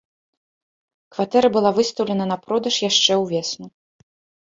Кватэра была выстаўлена на продаж яшчэ ўвесну.